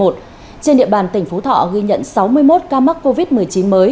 trên địa bàn tỉnh phú thọ ghi nhận sáu mươi một ca mắc covid một mươi chín mới